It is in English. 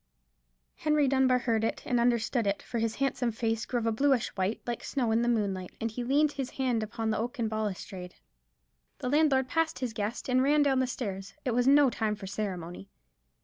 Henry Dunbar heard it and understood it, for his handsome face grew of a bluish white, like snow in the moonlight, and he leaned his hand upon the oaken balustrade. The landlord passed his guest, and ran down the stairs. It was no time for ceremony.